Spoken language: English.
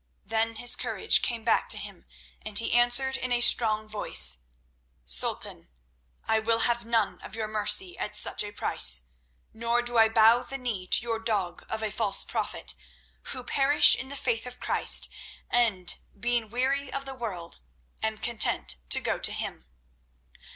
Then his courage came back to him, and he answered in a strong voice: "Sultan, I will have none of your mercy at such a price, nor do I bow the knee to your dog of a false prophet, who perish in the faith of Christ, and, being weary of the world, am content to go to Him."